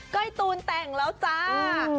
ก้อยตูนแต่งแล้วจ้า